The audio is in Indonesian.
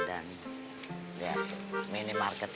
ini video beli belah